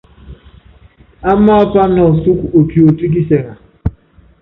Amaapa nɔ ɔsúkɔ otiotó kisɛŋa ?